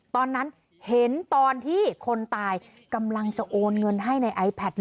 ตอนนั้นเห็นตอนที่คนตายกำลังจะโอนเงินให้ในไอแพท